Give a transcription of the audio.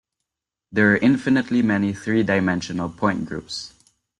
There are infinitely many three-dimensional point groups.